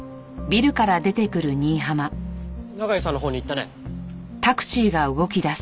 永井さんのほうに行ったね。